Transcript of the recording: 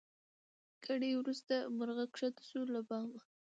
ګړی وروسته مرغه کښته سو له بامه